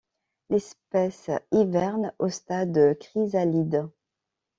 L'espèce hiverne au stade de chrysalide.